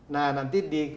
nah nanti di